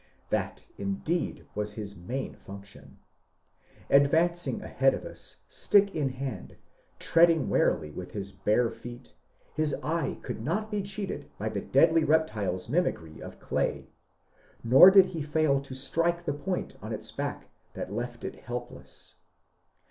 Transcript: Tbat indeed was bis main function. Advancing abead of us, stick in band, treading warily witb bis bare feet, bis eye could not be cbeated by tbe deadly reptile's mimicry of clay, nor did be fail to strike tbe point on its back tbat left it belpless.